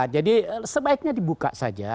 jadi sebaiknya dibuka saja